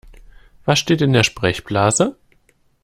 Was steht in der Sprechblase?